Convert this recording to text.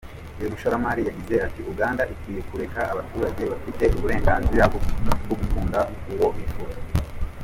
Uyu mushoramari yagize ati “Uganda ikwiye kureka abaturage bafite uburenganzira bwo gukunda uwo bifuza.